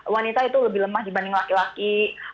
wanita itu lebih lemah dibanding laki laki